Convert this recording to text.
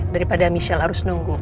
daripada michelle harus nunggu